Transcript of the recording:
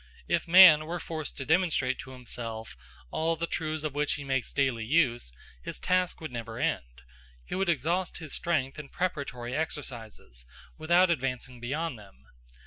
If man were forced to demonstrate to himself all the truths of which he makes daily use, his task would never end. He would exhaust his strength in preparatory exercises, without advancing beyond them.